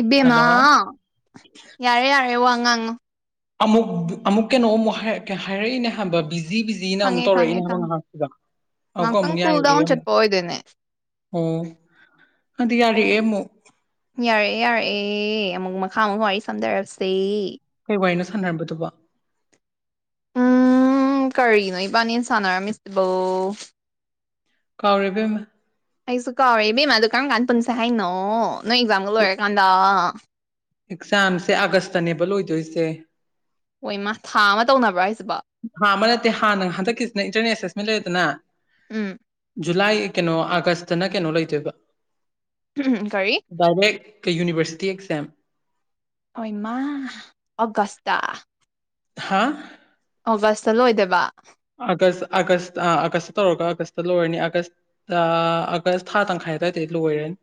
ꯏꯕꯦꯝꯃ ꯍꯜꯂꯣ ꯌꯥꯔꯦ ꯌꯥꯔꯦ ꯋꯥꯉꯥꯡꯉ ꯑꯃꯨꯛ ꯑꯃꯨꯛ ꯀꯩꯅꯣ ꯑꯃꯨꯛ ꯍꯥꯏꯔꯛꯏꯅꯦ ꯍꯥꯏꯕ ꯕꯤꯖꯤ ꯕꯤꯖꯤ꯫ ꯖꯤꯅ ꯑꯃꯨꯛ ꯈꯪꯉꯦ ꯈꯪꯉꯦ ꯇꯧꯔꯛꯏꯅꯦ ꯍꯥꯏꯕ ꯈꯪꯉꯦ ꯉꯥꯏꯍꯥꯛꯁꯤꯗ ꯑꯃꯨꯛꯀ ꯉꯥꯛꯇꯪ ꯑꯃꯨꯛ ꯀꯨꯜ ꯌꯥꯏꯔꯒꯦ ꯗꯥꯎꯟ ꯌꯦꯉꯣ꯫ ꯆꯠꯄ ꯑꯣꯏꯗꯣꯏꯅꯦ ꯑꯣ ꯑꯗꯨ ꯌꯥꯔꯛꯑꯦ ꯑꯃꯨꯛ꯫ ꯌꯥꯔꯛꯑꯦ ꯌꯥꯔꯛꯑꯦ ꯑꯃꯨꯛ ꯃꯈꯥ ꯑꯃꯨꯛ ꯋꯥꯔꯤ ꯁꯝꯗꯔꯁꯦ꯫ ꯀꯩ ꯋꯥꯏꯅꯣ ꯁꯥꯟꯅꯔꯝꯕꯗꯨꯕꯣ꯫ ꯎꯝ ꯀꯔꯤꯅꯣ ꯏꯕꯥꯅꯤꯅ ꯁꯥꯟꯅꯔꯝꯃꯤꯁꯤꯕꯣ꯫ ꯀꯥꯎꯔꯦꯕꯦꯝꯃ꯫ ꯑꯩꯁꯨ ꯀꯥꯎꯔꯦ ꯏꯕꯦꯝꯃꯥꯗ ꯀꯔꯝ ꯀꯥꯟ ꯄꯨꯟꯁꯦ ꯍꯥꯏꯅꯣ ꯅꯣꯏ ꯑꯦꯛꯖꯥꯝꯒ ꯂꯣꯏꯔꯀꯥꯟꯗ꯫ ꯑꯦꯛꯖꯥꯝꯁꯦ ꯑꯥꯒꯁꯇꯅꯦꯕ ꯂꯣꯏꯗꯣꯏꯁꯦ꯫ ꯍꯣꯏ ꯏꯃꯥ ꯊꯥ ꯑꯃ ꯇꯧꯅꯕ꯭ꯔꯥ ꯍꯥꯏꯁꯤꯕꯣ꯫ ꯍꯥ ꯑꯃ ꯅꯠꯇꯦ ꯍꯥꯟꯅ ꯍꯟꯗꯛꯀꯤꯁꯤꯅ ꯏꯟꯇꯔꯅꯦꯠ ꯑꯦꯁꯦꯁꯃꯦꯟ ꯂꯩꯔꯦꯗꯅ꯫ ꯎꯝ ꯖꯨꯂꯥꯏ ꯀꯩꯅꯣ ꯑꯥꯒꯁꯇꯅ ꯀꯩꯅꯣ ꯂꯩꯗꯣꯏꯕ ꯎꯝ ꯀꯔꯤ ꯗꯥꯏꯔꯦꯛ ꯀꯩ ꯌꯨꯅꯤꯚꯔꯁꯤꯇꯤ ꯑꯦꯛꯖꯥꯝ ꯑꯣꯏ ꯃꯥ ꯑꯣꯒꯁꯇ ꯍꯥꯥ ꯑꯣꯒꯁꯇ ꯂꯣꯏꯗꯕ ꯑꯥꯒꯁ ꯑꯥꯒꯁ ꯑꯥꯒꯁꯇ ꯇꯧꯔꯒ ꯑꯥꯒꯁꯇ ꯂꯣꯏꯔꯅꯤ ꯑꯥꯒꯁ ꯑꯥꯒꯁ ꯊꯥ ꯇꯪꯈꯥꯏ ꯑꯗꯨꯋꯥꯏꯗ ꯂꯣꯏꯔꯦꯅꯤ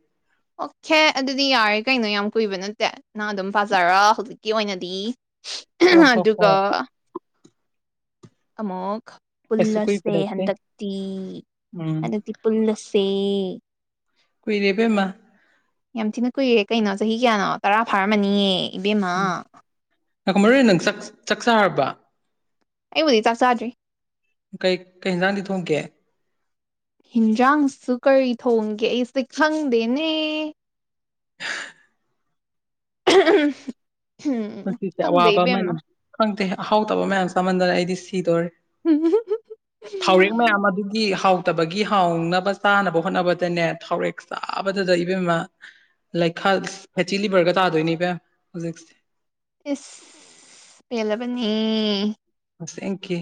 ꯑꯣꯀꯦ ꯑꯗꯨꯗꯤ ꯌꯥꯔꯦ ꯀꯩꯅꯣ ꯌꯥꯝ ꯀꯨꯏꯕ ꯅꯠꯇꯦ ꯅꯪ ꯑꯗꯨꯝ ꯄꯥꯖꯔ ꯍꯧꯖꯤꯛꯀꯤ ꯑꯣꯏꯅꯗꯤ ꯍꯣ ꯍꯣ ꯍꯣꯏ ꯑꯗꯨꯒꯒ ꯑꯃꯨꯛ ꯀꯩꯁꯨ ꯀꯨꯏꯕ ꯄꯨꯜꯂꯁꯦ ꯅꯠꯇꯦ ꯍꯟꯗꯛꯇꯤ ꯎꯝ ꯍꯟꯗꯛꯇꯤ꯫ ꯄꯨꯜꯂꯁꯦ꯫ ꯀꯨꯏꯔꯦꯕꯦꯃ꯫ ꯌꯥꯝ ꯊꯤꯅ ꯀꯨꯏꯔꯦ ꯀꯩꯅꯣ ꯆꯍꯤ ꯀꯌꯥꯅꯣ ꯇꯔꯥ ꯐꯥꯔꯝꯃꯅꯤꯌꯦ ꯏꯕꯦꯝꯃ꯫ ꯅꯥꯏꯈꯣ ꯃꯔꯨ ꯑꯣꯏꯅ ꯅꯪ ꯆꯥꯛ ꯆꯥꯔꯕ꯫ ꯑꯩꯕꯨꯗꯤ ꯆꯥꯛ ꯆꯥꯗ꯭ꯔꯤ꯫ ꯀꯩ ꯀꯩ ꯍꯦꯟꯁꯥꯡꯗꯤ ꯊꯣꯡꯒꯦ꯫ ꯍꯤꯟꯖꯥꯡꯁꯨ ꯀꯔꯤ ꯊꯣꯡꯒꯦ ꯑꯩꯁꯦ ꯈꯪꯗꯦꯅꯦ꯫ ꯎꯝ ꯄꯨꯟꯁꯤꯁꯦ ꯈꯪꯗꯦ ꯑꯋꯥꯕ ꯑꯃꯅꯤ ꯏꯕꯦꯝꯃ꯫ ꯈꯪꯗꯦ ꯑꯍꯥꯎꯇꯕ ꯃꯌꯥꯝ ꯆꯥꯃꯟꯗꯅ ꯑꯩꯗꯤ ꯁꯤꯗꯣꯔꯦ꯫ ꯎꯝ꯫ ꯊꯥꯎꯔꯦꯛ ꯃꯌꯥꯝ ꯑꯗꯨꯒꯤ ꯍꯥꯎꯇꯕꯒꯤ ꯍꯥꯎꯅꯕ ꯆꯥꯅꯕ ꯍꯣꯠꯅꯕꯗꯅꯦ ꯊꯥꯎꯔꯦꯛ꯫ ꯆꯥꯕꯗꯗ ꯏꯕꯦꯝꯃ ꯂꯩꯈꯥ ꯐꯦꯇꯤ ꯂꯤꯚꯔꯒ ꯇꯥꯗꯣꯏꯅꯤ ꯏꯕꯦꯝ ꯍꯧꯖꯤꯛꯁꯤ꯫ ꯏꯁ ꯄꯦꯜꯂꯕꯅꯤ꯫ ꯑꯁꯦꯡꯀꯤ꯫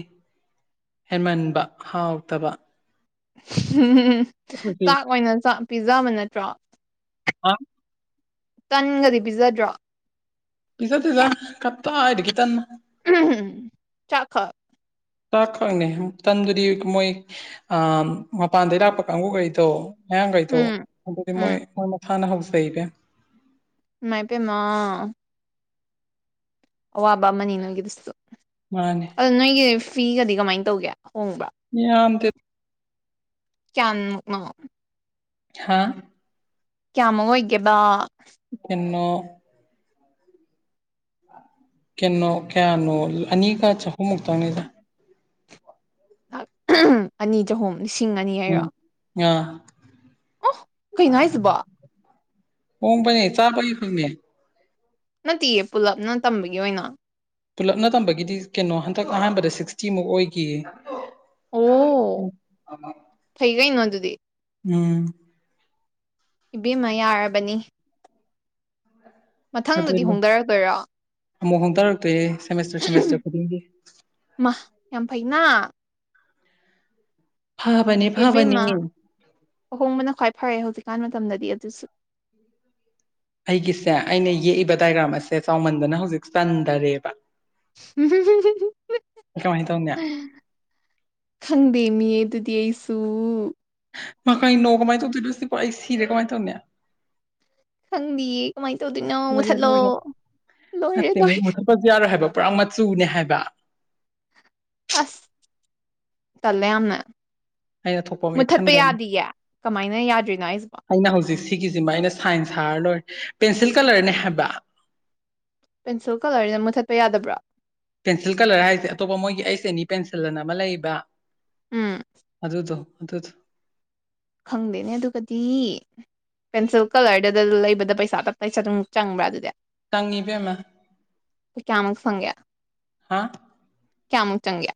ꯍꯦꯟꯃꯟꯕ ꯍꯥꯎꯇꯕ꯫ ꯎꯝ ꯍꯧꯖꯤꯛ ꯆꯥꯛ ꯑꯣꯏꯅ ꯆꯥꯛ ꯄꯤꯖꯥꯕ ꯅꯠꯇ꯭ꯔꯣ꯫ ꯑꯥ꯫ ꯇꯟꯒꯗꯤ ꯄꯤꯖꯗ꯭ꯔꯣ꯫ ꯄꯤꯖꯗꯦꯗ ꯀꯞꯇꯥꯏꯗꯒꯤ ꯇꯟꯅꯣ꯫ ꯆꯥꯛ ꯈꯛ꯫ ꯇꯥꯛꯈꯛꯅꯦ ꯇꯟꯗꯨꯗꯤ ꯃꯣꯏ꯫ ꯑ ꯃꯄꯥꯟꯗꯩ ꯂꯥꯛꯄ ꯀꯥꯡꯕꯨꯈꯩꯗꯣ꯫ ꯃꯌꯥꯡꯈꯩꯗꯣ ꯎꯝ ꯑꯗꯨꯗꯤ ꯎꯝ ꯃꯣꯏ ꯃꯣꯏ ꯃꯁꯥꯅ ꯍꯧꯖ ꯏꯕꯦꯝ꯫ ꯃꯥꯏ ꯄꯦꯃ꯫ ꯑꯋꯥꯕ ꯑꯃꯅꯤ ꯅꯪꯒꯤꯗꯨꯁꯨ꯫ ꯃꯥꯅꯦ꯫ ꯑꯗꯣ ꯅꯣꯏꯒꯤ ꯐꯤꯒꯗꯤ ꯀꯃꯥꯏꯅ ꯇꯧꯒꯦ ꯍꯣꯡꯕ꯭ꯔꯥ꯫ ꯝꯗ ꯀꯌꯥ ꯍꯥ ꯀꯌꯥꯃꯨꯛ ꯑꯣꯏꯒꯦꯕ ꯀꯟꯅꯣ ꯑ ꯀꯩꯅꯣ ꯀꯌꯥꯅꯣ ꯑꯅꯤꯒ ꯆꯍꯨꯝꯃꯨꯛꯇꯪꯅꯤꯗ ꯂꯥꯛ ꯑꯅꯤ ꯆꯍꯨꯝ ꯂꯤꯁꯤꯡ ꯑꯅꯤ ꯎꯝ ꯍꯥꯏꯔꯣ ꯑꯥ ꯑꯣ ꯀꯩꯅꯣ ꯍꯥꯏꯁꯤꯕꯣ ꯄꯣꯡꯕꯅꯤ ꯆꯥꯕꯒꯤ ꯐꯪꯅꯤ ꯅꯠꯇꯦꯌꯦ ꯄꯨꯂꯞꯅ ꯇꯝꯕꯒꯤ ꯑꯣꯏꯅ ꯄꯨꯂꯞꯅ ꯇꯝꯕꯒꯤꯗꯤ ꯀꯩꯅꯣ ꯍꯟꯗꯛ ꯑꯍꯥꯟꯕꯗ ꯁꯤꯛꯁꯇꯤꯃꯨꯛ ꯑꯣꯏꯒꯤꯌꯦ ꯑꯣ ꯐꯩ ꯀꯩꯅꯣ ꯑꯗꯨꯗꯤ ꯎꯝ ꯏꯕꯦꯝꯃ ꯌꯥꯔꯕꯅꯤ ꯃꯊꯪꯗꯗꯤ ꯑꯗꯨꯅꯤ ꯍꯣꯡꯗꯔꯛꯇꯣꯏꯔꯣ ꯑꯃꯨꯛ ꯍꯣꯡꯗꯔꯛꯇꯣꯏꯔꯦ ꯁꯦꯃꯦꯁꯇꯔ ꯁꯦꯃꯦꯁꯇꯔ ꯈꯨꯗꯤꯡꯒꯤ ꯃꯥ ꯌꯥꯝ ꯐꯩꯅ ꯐꯕꯅꯤ ꯏꯕꯦꯝꯃ ꯑꯍꯣꯡꯕꯅ ꯈ꯭ꯋꯥꯏ ꯐꯔꯦ ꯍꯧꯖꯤꯛꯀꯥꯟ ꯃꯇꯝꯗꯗꯤ ꯑꯗꯨꯁꯨ ꯑꯩꯒꯤꯁꯦ ꯑꯩꯅ ꯌꯦꯛꯏꯕ ꯗꯥꯏꯒ꯭ꯔꯥꯝ ꯑꯁꯦ ꯆꯥꯎꯃꯟꯗꯨꯅ ꯍꯧꯖꯤꯛ ꯆꯟꯗꯔꯦꯕ ꯀꯃꯥꯏꯅ ꯇꯧꯅꯤ [unintelligible] ꯈꯪꯗꯦꯃꯤ ꯑꯗꯨꯗꯤ ꯑꯩꯁꯨ ꯃꯥ ꯀꯩꯅꯣ ꯀꯃꯥꯏꯅ ꯇꯧꯗꯣꯏꯅꯣ ꯁꯤꯕꯣ ꯑꯩ ꯁꯤꯔꯦ ꯀꯃꯥꯏꯟ ꯇꯧꯅꯤ ꯈꯪꯗꯤꯌꯦ ꯀꯃꯥꯏꯅ ꯇꯧꯗꯣꯏꯅꯣ ꯂꯣꯏꯔꯦ ꯃꯨꯊꯠꯂꯣ ꯂꯣꯏꯔꯦ ꯂꯣꯏꯔꯦ ꯗꯤ ꯌꯥꯔꯣꯏ ꯍꯥꯏꯕ ꯄꯨꯔꯥ ꯃꯆꯨꯅꯦ ꯍꯥꯏꯕ ꯑꯁ ꯇꯜꯂꯦ ꯌꯥꯝꯅ ꯑꯩꯅ ꯊꯣꯛꯄ ꯑꯃ ꯃꯨꯠꯊꯠꯄ ꯌꯦꯛꯁꯟꯈ꯭ꯔꯅꯤ ꯌꯥꯗꯤꯌꯦ ꯀꯃꯥꯏꯅ ꯌꯥꯗ꯭ꯔꯤꯅꯣ ꯑꯩꯁꯤꯕꯣ ꯑꯩꯅ ꯍꯧꯖꯤꯛ ꯁꯤꯒꯤꯖꯤꯃ ꯑꯩꯅ ꯁꯥꯏꯟ ꯁꯥꯔ ꯂꯣꯏꯔꯦ ꯄꯦꯟꯁꯤꯜ ꯀꯂꯔꯅꯦ ꯍꯥꯏꯕ ꯄꯦꯟꯁꯤꯜ ꯀꯂꯔꯖꯤ ꯃꯨꯠꯊꯠꯄ ꯌꯥꯗꯕ꯭ꯔꯣ ꯄꯦꯟꯁꯤꯜ ꯀꯂꯔ ꯍꯥꯏꯔꯤꯖꯦ ꯑꯇꯣꯞꯄ ꯃꯣꯏꯒꯤ ꯑꯩꯁ ꯑꯦꯟꯅꯤ ꯄꯦꯟꯁꯤꯜ ꯑꯅ ꯑꯃ ꯂꯩꯕ ꯎꯝ ꯑꯗꯨꯗꯣ ꯑꯗꯨꯗꯣ ꯈꯪꯗꯦꯅꯦ ꯑꯗꯨꯒꯗꯤ ꯄꯦꯟꯁꯤꯜ ꯀꯂꯔꯗꯨꯗ ꯂꯩꯕꯗ ꯄꯩꯁꯥ ꯇꯞ ꯇꯥꯏ ꯑꯗꯨꯝ ꯆꯪ ꯆꯪꯕ꯭ꯔꯥ ꯑꯗꯨꯗꯤ ꯆꯪꯉꯤ ꯏꯕꯦꯝꯃꯥ ꯀꯌꯥꯃꯨꯛ ꯁꯪꯒꯦ ꯍꯥꯥ ꯀꯌꯥꯃꯨꯛ ꯆꯪꯒꯦ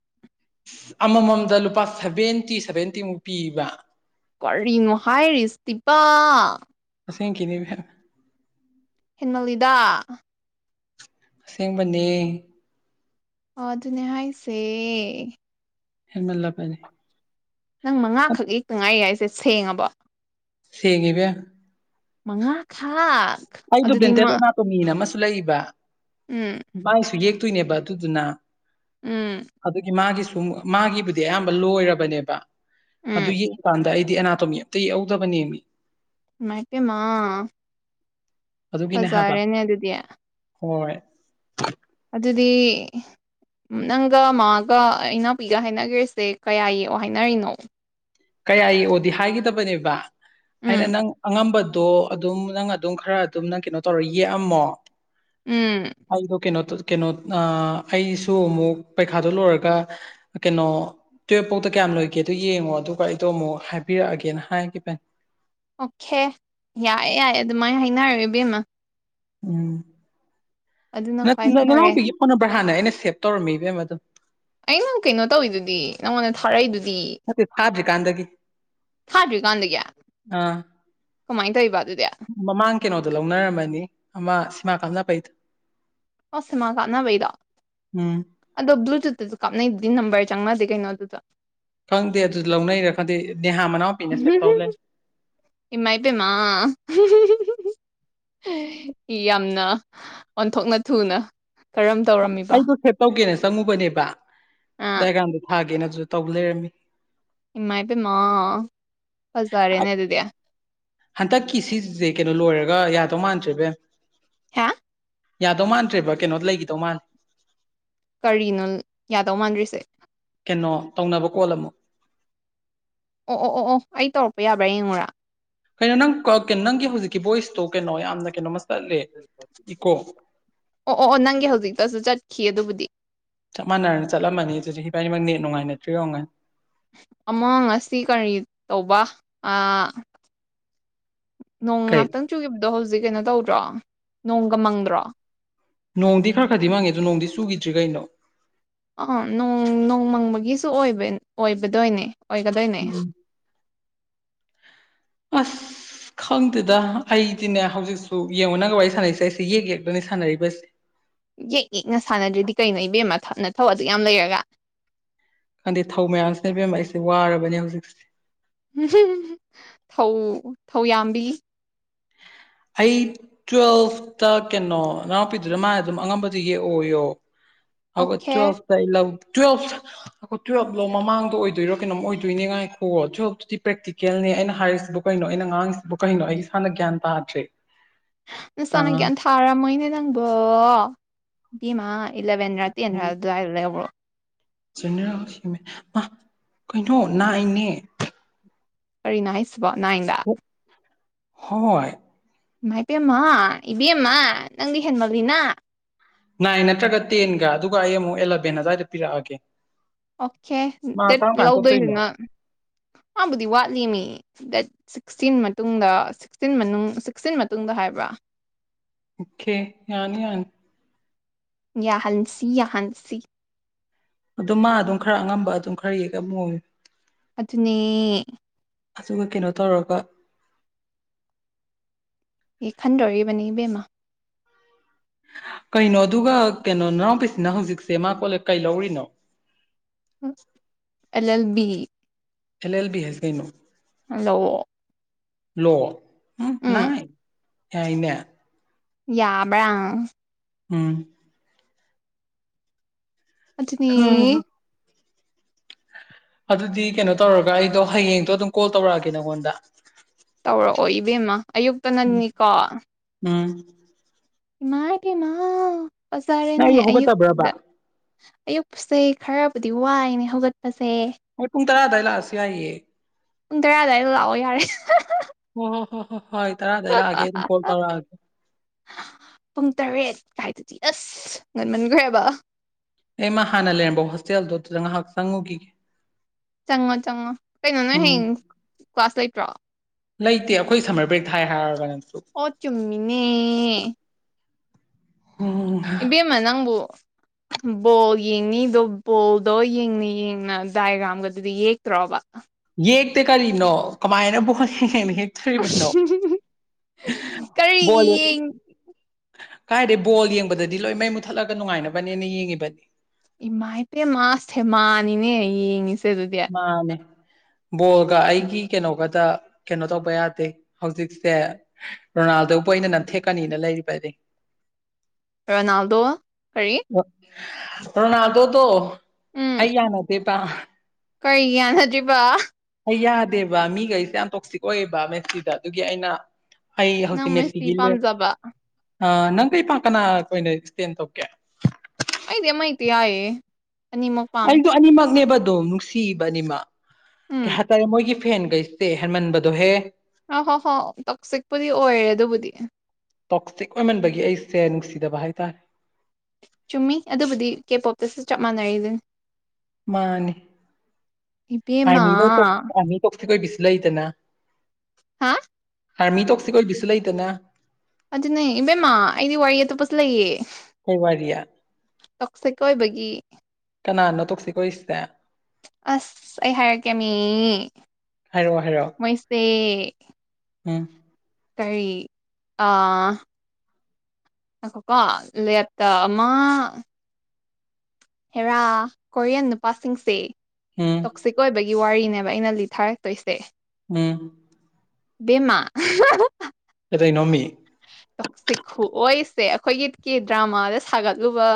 ꯑꯃꯃꯝꯗ ꯂꯨꯄꯥ ꯁꯚꯦꯟꯇꯤ ꯁꯚꯦꯟꯇꯤꯃꯨꯛ ꯄꯤꯕ ꯀꯔꯤꯅꯣ ꯍꯥꯏꯔꯤꯁꯤꯕꯣ ꯑꯁꯦꯡꯀꯤꯅꯤ ꯏꯕꯦꯝ ꯍꯦꯟꯃꯟꯂꯤꯗꯥ ꯑꯁꯦꯡꯕꯅꯦ ꯑꯥꯗꯨꯅꯦ ꯍꯥꯏꯁꯦ ꯍꯦꯟꯃꯜꯂꯥꯕꯅꯤ ꯅꯪ ꯃꯉꯥꯈꯛ ꯌꯦꯛꯇ ꯉꯥꯏ ꯍꯥꯏꯁꯦ ꯁꯦꯡꯉꯕꯣ ꯁꯦꯡꯉꯦ ꯏꯕꯦꯝ ꯃꯉꯥ ꯈꯥꯛ ꯑꯩꯗꯣ ꯕꯦꯟꯇꯦꯜ ꯑꯦꯅꯥꯇꯣꯃꯤꯅ ꯑꯃꯁꯨ ꯂꯩꯕ ꯎꯝ ꯃꯥꯏꯁꯨ ꯌꯦꯛꯇꯣꯏꯅꯦꯕ ꯑꯗꯨꯗꯨꯅ ꯎꯝ ꯑꯗꯨꯒꯤ ꯃꯥꯒꯤꯁꯨ ꯃꯥꯒꯤꯕꯨꯗꯤ ꯑꯌꯥꯝꯕ ꯂꯣꯏꯔꯕꯅꯦꯕ ꯎꯝ ꯑꯗꯨ ꯌꯦꯛꯀꯥꯟꯗ ꯑꯩꯗꯤ ꯑꯦꯅꯥꯇꯣꯃꯤ ꯑꯝꯇꯥ ꯌꯦꯎꯧꯗꯕꯅꯦꯝꯃꯤ ꯏꯃꯥꯏ ꯄꯦꯝꯃꯥ ꯑꯗꯨꯒꯤꯅꯦ ꯍꯥꯏꯕ ꯑꯗꯨꯗꯤ ꯍꯣꯏ ꯑꯗꯨꯗꯤ ꯅꯪꯒ ꯃꯥꯒ ꯏꯅꯥꯎꯄꯤꯒ ꯍꯥꯏꯅꯒꯔꯤꯁꯦ ꯀꯌꯥ ꯌꯦꯛꯑꯣ ꯍꯥꯏꯅꯔꯤꯅꯣ ꯀꯌꯥ ꯌꯦꯛꯑꯣꯗꯤ ꯍꯥꯏꯒꯗꯕꯅꯦꯕ ꯑꯩꯅ ꯎꯝ ꯅꯪ ꯑꯉꯝꯕꯗꯣ ꯑꯗꯨꯝ ꯅꯪ ꯑꯗꯨꯝ ꯈꯔ ꯑꯗꯨꯝ ꯅꯪ ꯀꯩꯅꯣ ꯇꯧꯔ ꯌꯦꯛꯑꯝꯃꯣ ꯎꯝ ꯑꯩꯗꯣ ꯀꯩꯅꯣ ꯀꯩꯅꯣ ꯑꯩꯁꯨ ꯑꯃꯨꯛ ꯄꯩꯈꯥꯗꯣ ꯂꯣꯏꯔꯒ ꯀꯩꯅꯣ ꯇꯨꯋꯜꯐ ꯐꯧꯗ ꯀꯌꯥꯝ ꯂꯣꯏꯒꯦꯗꯣ ꯌꯦꯡꯉꯣ ꯑꯗꯨꯒ ꯑꯩꯗꯣ ꯑꯃꯨꯛ ꯍꯥꯏꯕꯤꯔꯛꯑꯒꯦꯅ ꯍꯥꯏꯒꯤꯕꯅꯤ ꯑꯣꯀꯦ ꯌꯥꯏꯌꯦ ꯌꯥꯏꯌꯦ ꯑꯗꯨꯃꯥꯏꯅ ꯍꯥꯏꯅꯔ ꯏꯕꯦꯝꯃ ꯎꯝ ꯑꯗꯨꯅ ꯈ꯭ꯋꯥꯏ ꯅꯠꯇꯗ ꯐꯔꯦ ꯅꯅꯥꯎꯄꯤꯒꯤ ꯐꯣꯟ ꯅꯝꯕꯔ ꯍꯥꯟꯅ ꯑꯩꯅ ꯁꯦꯞ ꯇꯧꯔꯝꯃꯤ ꯏꯕꯦꯝ ꯑꯗꯨꯝ ꯑꯩꯅ ꯀꯩꯅꯣ ꯇꯧꯋꯤꯗꯨꯗꯤ ꯅꯪꯉꯣꯟꯗ ꯊꯥꯔꯛꯏꯗꯨꯗꯤ ꯐꯥꯗ꯭ꯔꯤꯀꯥꯟꯗꯒꯤ ꯊꯥꯗ꯭ꯔꯤꯀꯥꯟꯗꯒꯤ ꯑꯥ ꯀꯃꯥꯏꯅ ꯇꯧꯔꯤꯕ ꯑꯗꯨꯗꯤ ꯃꯃꯥꯡ ꯀꯩꯅꯣꯗꯣ ꯂꯧꯅꯔꯝꯃꯅꯤ ꯑꯃ ꯁꯤꯃꯥ ꯀꯥꯞꯅ ꯕꯩꯗꫭ ꯑꫭ ꯁꯤꯃꯥ ꯀꯥꯞꯅꯕꯩꯗꫭ ꯎꯨꯝ ꯑꯗꯣ ꯕ꯭ꯂꯨꯇꯨꯠꯇꯁꯨ ꯀꯥꯞꯅꯩꯗꯨꯗꯤ ꯅꯝꯕꯔ ꯆꯪꯅꯗꯦ ꯀꯩꯅꯣ ꯑꯗꯨꯗ ꯈꯪꯗꯦ ꯑꯗꯨ ꯂꯧꯅꯩꯔꯥ ꯈꯪꯗꯦ ꯅꯦꯍꯥ ꯃꯅꯥꯎꯄꯤꯅ ꯁꯦꯠ ꯇꯧ ꯂꯩꯔꯝꯃꯦ ꯏꯃꯥꯏ ꯄꯦꯃꯥ ꯍꯨꯝ ꯌꯥꯝꯅ ꯑꯣꯟꯊꯣꯛꯅ ꯊꯨꯅ ꯀꯔꯝ ꯇꯧꯔꯝꯃꯤꯕ ꯑꯩꯗꯣ ꯁꯦꯞ ꯇꯧꯒꯦꯅ ꯆꯪꯉꯨꯕꯅꯦꯕ ꯑꯥ ꯗꯥꯏꯒꯥꯝꯗꯣ ꯊꯥꯒꯦꯅ ꯑꯗꯨꯗ ꯇꯧꯕ ꯂꯩꯔꯝꯃꯤ ꯏꯃꯥꯏ ꯄꯦꯃ ꯐꯖꯔꯦꯅꯦ ꯑ- ꯑꯗꯨꯗꯤ ꯍꯟꯗꯛꯀꯤ ꯁꯤꯁꯦ ꯀꯩꯅꯣ ꯂꯣꯏꯔꯒ ꯌꯥꯗꯧ ꯃꯥꯟꯗꯔꯦ ꯑꯕꯦꯝꯃꯥ ꯍꯥꯏ ꯌꯥꯗꯧ ꯃꯥꯟꯗ꯭ꯔꯦꯕ ꯀꯩꯅꯣ ꯂꯩꯈꯤꯗꯧ ꯃꯥꯜꯂꯦ ꯀꯔꯤꯅꯣ ꯌꯥꯗꯧ ꯃꯥꯟꯗ꯭ꯔꯤꯁꯦ ꯀꯩꯅꯣ ꯇꯧꯅꯕ ꯀꯣꯜꯂꯝ ꯑꯃꯨꯛ ꯑꯣ ꯑꯣ ꯑꯣ ꯑꯣ ꯑꯩ ꯇꯧꯔꯛꯄ ꯌꯥꯕ꯭ꯔꯥ ꯌꯦꯡꯉꯨꯔꯥ ꯀꯩꯅꯣ ꯅꯪ ꯅꯪꯒꯤ ꯍꯧꯖꯤꯛꯀꯤ ꯚꯣꯏꯁꯇꯣ ꯀꯩꯅꯣ ꯌꯥꯝꯅ ꯀꯩꯅꯣꯃꯥ ꯑꯣ ꯑꯣ ꯑꯣ ꯅꯪꯒꯤ ꯍꯧꯖꯤꯛꯇꯁꯨ ꯆꯠꯈꯤ ꯑꯗꯨꯕꯨꯗꯤ ꯆꯞ ꯃꯥꯟꯅꯔꯅ ꯆꯠꯂꯝꯃꯅꯤ ꯑꯗꯨꯗꯤ ꯏꯕꯥꯅꯤꯃꯛ ꯅꯦꯠ ꯅꯨꯡꯉꯥꯏꯅꯗ꯭ꯔꯤ ꯑꫭꯏꯔꯝꯅꯤ ꯑꯃ ꯉꯁꯤ ꯀꯔꯤ ꯇꯧꯕ ꯅꯣꯡ ꯀꯩ ꯉꯍꯥꯛꯇꯪ ꯆꯨꯈꯤꯕꯗꯣ ꯍꯧꯖꯤꯛ ꯀꯩꯅꯣ ꯇꯧꯗ꯭ꯔꯣ ꯅꯣꯡꯒ ꯃꯪꯗ꯭ꯔꯣ ꯅꯣꯡꯗꯤ ꯈꯔ ꯈꯔꯗꯤ ꯃꯥꯡꯉꯦ ꯑꯗꯨ ꯅꯣꯡꯗꯤ ꯆꯨꯒꯤꯗ꯭ꯔꯤ ꯀꯩꯅꯣ ꯑꯥ ꯅꯣꯡ ꯅꯣꯡꯃꯪꯕꯒꯤꯁꯨꯕ ꯑꯣꯏꯕꯗꯣꯏꯅꯦ ꯑꯣꯏꯒꯗꯣꯏꯅꯦ ꯑꯁ ꯈꯪꯗꯦꯗ ꯑꯩꯗꯤꯅꯦ ꯍꯧꯖꯤꯛꯁꯨ ꯌꯦꯡꯉꯣꯅꯒ ꯋꯥꯔꯤ ꯁꯥꯟꯅꯔꯤꯁꯦ ꯑꯩꯁꯦ ꯌꯦꯛ ꯌꯦꯛꯇꯅꯤ ꯁꯥꯟꯅꯔꯤꯕꯁꯦ ꯌꯦꯛ ꯌꯦꯛꯅ ꯁꯥꯟꯅꯗ꯭ꯔꯗꯤ ꯀꯩꯅꯣ ꯏꯕꯦꯝꯃ ꯊꯞꯅ ꯅꯊꯧ ꯑꯗꯨ ꯌꯥꯝ ꯂꯩꯔꯒ ꯍꯥꯏꯗꯤ ꯊꯧ ꯃꯌꯥꯝꯁꯤꯅ ꯑꯕꯦꯝꯃ ꯑꯩꯁꯦ ꯋꯥꯔꯕꯅꯦ ꯍꯧꯖꯤꯛꯁꯦ ꯐꯥꯎ ꯐꯥꯎꯌꯥꯝꯕꯤ ꯑꯩ ꯇꯨꯋꯦꯜꯐꯇ ꯀꯩꯅꯣ ꯏꯅꯥꯎꯄꯤꯗꯨꯅ ꯃꯥ ꯑꯗꯨꯝ ꯑꯉꯝꯕꯗꫭ ꯌꯦꯛꯑꯣꯌꯣ [inaudible] ꯑꯣ ꯑꯣꯀꯦ ꯇꯨꯋꯦꯜꯕ ꯂꯣ ꯃꯃꯥꯡꯗꯣ ꯑꯣꯏꯗꯣꯏꯔꯣ ꯀꯩꯅꯣꯝ ꯑꯣꯏꯗꯣꯏꯅꯤ ꯉꯥꯏꯈꯣ ꯇꯨꯋꯦꯜꯕꯇꯨꯗꯤ ꯄ꯭ꯔꯦꯛꯇꯤꯀꯦꯜꯅꯦ ꯑꯩꯅ ꯍꯥꯏꯔꯤꯁꯤꯕꯨ ꯀꯩꯅꯣ ꯑꯩꯅ ꯑꯉꯥꯡꯁꯤꯕꯨ ꯀꯩꯅꯣ ꯑꯩ ꯏꯁꯥꯅ ꯒ꯭ꯌꯥꯟ ꯇꯥꯗ꯭ꯔꯦ ꯅꯆꯥꯅ ꯒꯌꯥꯟ ꯊꯥꯔꯥꯃꯩꯅ ꯅꯪꯕꯣ ꯕꯤꯃꯥꯏ ꯏꯂꯕꯦꯟꯗꯔꯥ ꯇꯦꯟꯗ꯭ꯔꯥ ꯑꯗꯨꯋꯥꯏꯗ ꯂꯩꯕ꯭ꯔꯣ ꯀꯩꯅꯣ ꯅꯥꯏꯅꯦ ꯀꯔꯤꯅꫭ ꯍꯥꯏꯁꯤꯕꫭ ꯅꯥꯏꯅꯥ ꯍꯣꯏ ꯃꯥꯏ ꯄꯃ ꯏꯕꯦꯝꯃ ꯅꯪꯗꯤ ꯍꯦꯟꯃꯜꯂꯤꯅ ꯅꯥꯏꯟ ꯅꯠꯇ꯭ꯔꯒ ꯇꯦꯟꯒ ꯑꯗꯨꯒ ꯑꯩ ꯑꯃꯨꯛ ꯑꯦꯂꯚꯦꯟ ꯑꯗꯨ꯭ꯋꯥꯏꯗ ꯄꯤꯔꯛꯑꯒꯦ ꯑꯣꯀꯦ ꯃꯥ ꯗꯦꯠ ꯀꯔꯝ ꯀꯥꯟ ꯆꯠꯇꯣꯏꯅꯣ ꯂꯧꯗꯣꯏꯗꯨꯅ ꯃꯥꯕꯨꯗꯤ ꯋꯥꯠꯂꯤ ꯃꯤ ꯗꯦꯠ ꯁꯤꯛꯁꯇꯤꯟ ꯃꯇꯨꯡꯗ ꯁꯤꯛꯁꯇꯤꯟ ꯃꯅꯨꯡ ꯁꯤꯛꯁꯇꯤꯟ ꯃꯇꯨꯡꯗ ꯍꯥꯏꯕ꯭ꯔꯥ ꯑꯣꯀꯦ ꯌꯥꯅꯤ ꯌꯥꯅꯤ ꯌꯥ ꯍꯟꯁꯤ ꯌꯥ ꯍꯟꯁꯤ ꯑꯗꯨ ꯃꯥ ꯑꯗꯨꯝ ꯈꯔ ꯑꯉꯝꯕ ꯑꯗꯨꯝ ꯈꯔ ꯌꯦꯛꯒ ꯑꯃ ꯃꯣꯌꯨ꯫ ꯑꯗꯨꯅꯦ ꯑꯗꯨꯒ ꯀꯩꯅꯣ ꯇꯧꯔꯒ ꯌꯦꯛꯍꯟꯗꯣꯔꯤꯕꯅꯤ ꯏꯕꯦꯝꯃꯥ ꯀꯩꯅꯣ ꯑꯗꯨꯒ ꯀꯩꯅꯣ ꯅꯅꯥꯎꯄꯤꯁꯤꯅ ꯍꯧꯖꯤꯛꯁꯦ ꯃꯥ ꯀꯣꯂ ꯀꯩ ꯂꯧꯔꯤꯅꯣ? L L B L L B ꯍꯥꯏꯁꯦ ꯀꯩꯅꯣ? ꯂꯣ ꯂꯣ ꯎꯝ ꯅꯥꯏ ꯌꯥꯏꯅꯦ꯫ ꯌꯥꯕ꯭ꯔꯥ? ꯎꯝ ꯑꯗꯨꯅꯤ ꯍꯝ ꯑꯗꯨꯗꯤ ꯀꯩꯅꯣ ꯇꯧꯔꯒ ꯑꯩꯗꯣ ꯍꯌꯦꯡꯗꯣ ꯑꯗꯨꯝ ꯀꯣꯜ ꯇꯧꯔꯛꯑꯒꯦ ꯅꯉꯣꯟꯗ꯫ ꯇꯧꯔꯛꯑꯣ ꯏꯕꯦꯝꯃ ꯑꯌꯨꯛꯇ ꯅꯟꯅꯤꯀꯣ꯫ ꯎꯝ ꯏꯃꯥꯏ ꯄꯦꯝꯃꯥ ꯅꯪ ꯐꯖꯔꯦꯅꯦ ꯑꯩ ꯍꯧꯒꯠꯇꯕ꯭ꯔꯕ ꯑꯌꯨꯛꯇ ꯑꯌꯨꯛꯁꯦ ꯈꯔꯕꯨꯗꯤ ꯋꯥꯏꯅꯦ ꯍꯧꯒꯠꯄꯁꯦ꯫ ꯍꯣꯏ ꯄꯨꯡ ꯇꯔꯥ ꯑꯗꯥꯏ ꯂꯥꯛꯑꯁꯨ ꯌꯥꯏꯌꯦ꯫ ꯄꯨꯡ ꯇꯔꯥ ꯑꯗꯨꯋꯥꯏꯗ ꯂꯥꯛꯑꯣ ꯌꯥꯔꯦ꯫ ꯎꯝ ꯎꯝ ꯍꯣꯏ ꯇꯔꯥ ꯗꯥꯏ ꯂꯥꯛꯑꯒꯦ ꯀꯣꯜ ꯇꯧꯔꯒꯦ꯫ ꯄꯨꯡ ꯇꯔꯦꯠ ꯀꯥꯏꯗꯗꯤ ꯑꯁ ꯉꯟꯃꯟꯈ꯭ꯔꯦꯕ꯫ ꯑꯩ ꯃꯥ ꯍꯥꯟꯅ ꯂꯩꯔꯝꯕ ꯍꯣꯁꯇꯦꯜꯗꯣ ꯑꯗꯨꯗ ꯉꯥꯏꯍꯥꯛ ꯆꯪꯉꯨꯈꯤꯒꯦ꯫ ꯆꯪꯉꯣ- ꯆꯪꯉꯣ ꯀꯩꯅꯣ ꯅꯣꯏ ꯎꯝ ꯍꯌꯦꯡ ꯀ꯭ꯂꯥꯁ ꯂꯩꯇ꯭ꯔꯣ? ꯂꯩꯇꯦ ꯑꯩꯈꯣꯏ ꯁꯝꯃꯔ ꯕ꯭ꯔꯦꯛ ꯊꯥꯏ ꯍꯥꯏꯔꯒ ꯅꯪꯁꯨ꯫ ꯑꯣ ꯆꯨꯝꯃꯤꯅꯦ ꯎꯝ ꯏꯕꯦꯝꯃ ꯅꯪꯕꯨ ꯕꯣꯜ ꯌꯦꯡꯅꯤꯗꯣ ꯕꯣꯜꯗꯣ ꯌꯦꯡꯅ- ꯌꯦꯡꯅ ꯗꯥꯏꯒ꯭ꯔꯥꯝꯒꯗꯨꯗꯤ ꯌꯦꯛꯇ꯭ꯔꯣꯕ? ꯌꯦꯛꯇꯦ ꯀꯔꯤꯅꯣ ꯀꯃꯥꯏꯅꯕꯨ [unintelligible] ꯇ꯭ꯔꯤꯕꯅꯣ ꯀꯔꯤꯒꯤ ꯕꯣꯜ ꯌꯦꯡ ꯀꯥꯏꯗꯩ ꯕꯣꯜ ꯌꯦꯡꯕꯗꯗꯤ ꯂꯣꯏ ꯃꯩ ꯃꯨꯠꯊꯠꯂꯒ ꯅꯨꯡꯉꯥꯏꯅꯕꯅꯦꯅ ꯌꯦꯡꯉꯤꯕꯅꯤ꯫ ꯏꯃꯥꯏ ꯄꯦꯝꯃꯥ ꯁꯦꯃꯥꯥꯅꯤꯅꯦ ꯌꯦꯡꯉꯤꯁꯦ ꯑꯗꯨꯗꯤ꯫ ꯃꯥꯅꯤ ꯕꯣꯜꯒ ꯑꯩꯒꯤ ꯀꯩꯅꯣꯒ ꯇ ꯀꯩꯅꯣ ꯇꯧꯕ ꯌꯥꯗꯦ ꯍꯧꯖꯤꯛꯁꯦ ꯔꯣꯅꯥꯜꯗꯕꯨ ꯑꯩꯅ ꯅꯝꯊꯦꯛꯀꯅꯤꯅ ꯂꯩꯔꯤꯕꯅꯤ꯫ ꯔꯣꯅꯥꯜꯗꯣ ꯀꯔꯤ? ꯔꯣꯅꯥꯜꯗꯣꯗꯣ ꯑꯩ ꯌꯥꯅꯗꯦꯕ꯫ ꯀꯩꯒꯤ ꯌꯥꯅꯗ꯭ꯔꯤꯕ? ꯑꯩ ꯌꯥꯗꯦꯕ ꯃꯤꯈꯩꯁꯦ ꯌꯥꯝ ꯇꯣꯛꯁꯤꯛ ꯑꯣꯏꯌꯦꯕ ꯃꯦꯁꯤꯗ ꯑꯗꯨꯒꯤ ꯑꯩꯅ ꯑꯩ ꯍꯧꯖꯤꯛ ꯅꯪ ꯃꯤꯁꯇꯤ ꯃꯦꯁꯤꯒꯤ ꯂꯦꯞ ꯄꯥꯝꯖꯕ ꯑꯩ ꯅꯪ ꯀꯔꯤ ꯄꯥꯝ ꯀꯅꯥ ꯏꯁꯇꯦꯟ ꯇꯧꯒꯦ? ꯑꯩꯗꯤ ꯑꯃ ꯍꯦꯛꯇꯥ ꯌꯥꯑꯦ꯫ ꯑꯩꯗꯣ ꯑꯅꯤꯃꯛꯅꯦꯕ ꯑꯗꯨꯝ ꯅꯨꯡꯁꯤꯕ ꯑꯅꯤꯃꯛ ꯀꯩ ꯎꯝ ꯍꯥꯏꯇꯥꯔꯦ ꯃꯣꯏꯒꯤ ꯐꯦꯟꯒꯩ ꯁꯦ ꯍꯦꯟꯃꯟꯕꯗꯨꯣꯍꯦ! ꯑ ꯍꯣ ꯍꯣ ꯇꯣꯛꯁꯤꯛꯄꯨꯗꯤ ꯑꯣꯏꯔꯦ ꯑꯗꯨꯕꯨꯗꯤ꯫ ꯇꯣꯛꯁꯤꯛ ꯑꯣꯏꯃꯟꯕꯒꯤ ꯑꯩꯁꯦ ꯅꯨꯡꯁꯤꯗꯕ ꯍꯥꯏꯇꯥꯔꯦ꯫ ꯆꯨꯝꯃꯤ ꯑꯗꯨꯕꯨꯗꯤ ꯀꯦ ꯄꯣꯞꯇꯁꯨ ꯆꯞ ꯃꯥꯟꯅꯔꯤ ꯑꯗꯨꯅꯤ꯫ ꯃꯥꯅꯦ ꯏꯕꯦꯝꯃ ꯑꯥꯔꯃꯤꯗ ꯇꯣꯛ ꯑꯥꯔꯃꯤ ꯇꯣꯛꯁꯦ ꯀꯣꯏꯕꯤꯁꯨ ꯂꯩꯗꯅ꯫ ꯍꯥ ꯑꯥꯔꯃꯤ ꯇꯣꯛꯁꯤꯛ ꯑꯣꯏꯕꯁꯨ ꯂꯩꯗꯅ꯫ ꯑꯗꯨꯅꯦ ꯏꯕꯦꯝꯃ ꯑꯩꯗꯤ ꯋꯥꯔꯤ ꯑꯇꯣꯞꯄꯁꯨ ꯂꯩꯌꯦ꯫ ꯀꯩ ꯋꯥꯔꯤꯔꯤ ꯇꯣꯛꯁꯤꯛ ꯑꯣꯏꯕꯒꯤ ꯀꯅꯥꯅꯣ ꯇꯣꯛꯁꯤ ꯀꯣꯔꯤꯁꯦ ꯑꯁ ꯑꯩ ꯍꯥꯏꯔꯛꯀꯦ ꯃꯤ ꯍꯥꯏꯔꯛꯑꯣ ꯍꯥꯏꯔꯛꯑꯣ ꯃꯣꯏꯁꯦ ꯎꯝ ꯀꯔꯤ ꯑ ꯑꯈꯣ ꯀꯣ ꯂꯦꯞꯇ ꯑꯃ ꯍꯦꯔꯥ ꯀꯣꯔꯤꯌꯟ ꯅꯨꯄꯥꯁꯤꯡꯁꯦ ꯍꯝ ꯀꯛꯁꯤꯛ ꯑꯣꯏꯕꯒꯤ ꯋꯥꯔꯤꯅꯦꯕ ꯑꯩꯅ ꯂꯤꯠ ꯊꯥꯔꯛꯇꯣꯏꯁꯦ ꯎꯝ ꯕꯤꯃꯥ ꯑꯇꯩ ꯅꯣꯃꯤ ꯇꯣꯛꯁꯤ ꯈꯨꯑꯣꯁꯦ ꯑꯩꯈꯣꯏꯒꯤ ꯀ ꯗ꯭ꯔꯃꯥꯗ ꯁꯥꯒꯠꯂꯨꯕ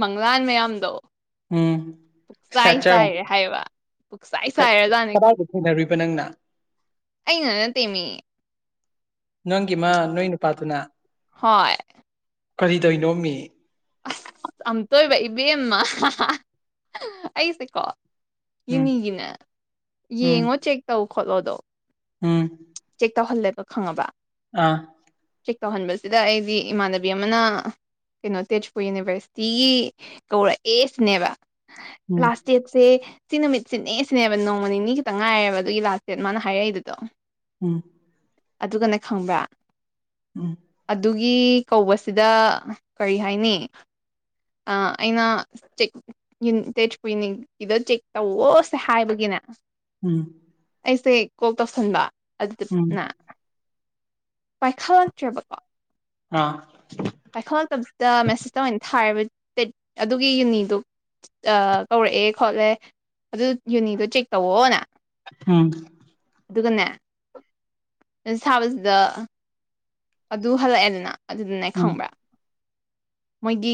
ꯃꯪꯂꯥꯟ ꯃꯌꯥꯝꯗꯣ ꯎꯝ ꯄꯨꯛꯆꯥꯏ ꯁꯦꯇꯔ ꯆꯥꯏꯔꯦ ꯍꯥꯏꯌꯦꯕ ꯄꯨꯛꯆꯥꯏ ꯁꯥꯏꯔꯖꯥꯠꯅꯤꯀꯣ ꯀꯗꯥꯏꯗ ꯊꯦꯡꯅꯔꯨꯏꯕ ꯅꯪꯅ ꯑ ꯉ ꯇꯃꯤ ꯅꯪꯒꯤ ꯃꯥ ꯅꯣꯏꯅꯨ ꯄꯥꯗꯨꯅ ꯍꯣꯏ ꯀꯔꯤꯗꯧꯏꯅꯣ ꯃꯤ ꯑꯁ ꯑꯝꯇꯣꯏꯕ ꯏꯕꯦꯝꯃ ꯑꯩꯁꯦꯀꯣ ꯎꯝ ꯏꯅꯤꯒꯤꯅꯦ ꯎꯝ ꯌꯦꯡꯉꯣ ꯆꯦꯛ ꯇꯧ ꯈꯣꯠꯂꯣꯗꯣ ꯎꯝ ꯆꯦꯛ ꯇꯧꯍꯜꯂꯦꯕ ꯈꯪꯉꯕ ꯑ ꯆꯦꯛ ꯇꯧꯍꯟꯕꯁꯤꯗ ꯑꯩꯗꯤ ꯏꯃꯥꯟꯅꯕꯤ ꯑꯃꯅ ꯀꯩꯅꯣ ꯇꯦꯆ ꯑꯩꯈꯣꯏ ꯌꯨꯅꯤꯚꯔꯁꯤꯇꯤꯒꯤ ꯀꯧꯔꯛꯑꯦ ꯁꯤꯅꯦꯕ ꯎꯝ ꯂꯥꯁ ꯗꯦꯠꯁꯦ ꯁꯤ ꯅꯨꯃꯤꯠꯁꯤꯦꯅꯦ ꯁꯤꯅꯦꯕ ꯅꯣꯡꯃ ꯅꯤꯅꯤ ꯈꯤꯛꯇꯪ ꯉꯥꯏꯔꯦꯕ ꯑꯗꯨꯒꯤ ꯂꯥꯁꯁꯦꯠ ꯃꯥꯅ ꯍꯥꯏꯔꯛꯏꯗꯨꯗꯣ ꯎꯝ ꯑꯗꯨꯒꯅ ꯈꯪꯕ꯭ꯔꯥ ꯎꯝ ꯑꯗꯨꯒꯤ ꯀꯧꯕꯁꯤꯗ ꯀꯔꯤ ꯍꯥꯏꯅꯤ ꯑ ꯑꯩꯅ ꯇꯦꯁ ꯀꯨꯂꯤꯅꯤꯛꯀꯤꯗꯣ ꯆꯦꯛ ꯇꯧꯋꯣꯁꯦ ꯍꯥꯏꯕꯒꯤꯅꯦ ꯎꯝ ꯑꯩꯁꯦ ꯀꯜ ꯇꯧꯁꯟꯕ ꯎꯝ ꯑꯗꯨꯗꯅ ꯄꯥꯏꯈꯠꯂꯛꯇ꯭ꯔꯦꯕꯀꯣ ꯑ ꯄꯥꯏꯈꯠꯂꯁꯤꯗ ꯃꯦꯁꯦꯁꯇ ꯑꯣꯏꯅ ꯊꯥꯦꯕ ꯇꯦꯠ ꯑꯗꯨꯒꯤ ꯌꯨꯅꯤꯗꯨ ꯀꯧꯔꯛꯑꯦ ꯈꯣꯠꯂꯦ ꯑꯗꯨ ꯌꯨꯅꯤꯗꯣ ꯆꯦꯛ ꯇꯧꯋꯑꯣꯅ ꯎꯝ ꯑꯗꯨꯒꯅꯦ ꯁꯥꯕꯁꯤꯗ ꯑꯗꯨ ꯍꯜꯂꯛꯑꯦꯗꯅ ꯑꯗꯨꯗꯨꯅ ꯎꯝ ꯈꯪꯕ꯭ꯔꯥ ꯃꯣꯏꯒꯤ